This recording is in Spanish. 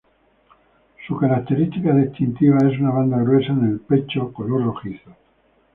Su característica distintiva es una banda gruesa en el pecho color rojizo.